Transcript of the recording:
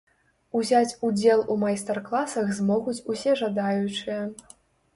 Узяць удзел у майстар-класах змогуць усе жадаючыя.